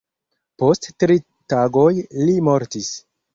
Post tri tagoj li mortis.